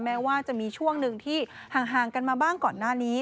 แม้ว่าจะมีช่วงหนึ่งที่ห่างกันมาบ้างก่อนหน้านี้